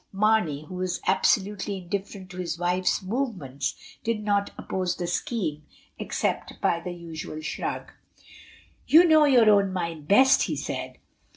Mamey, who was absolutely in different to his wife's movements, did not oppose the scheme, except by the usual shrug. "You know your own mind best," he said.